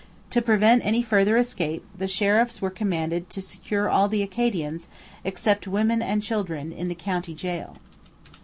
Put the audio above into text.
To prevent any further escape the sheriffs were commanded to secure all the Acadians, except women and children, in the county gaol.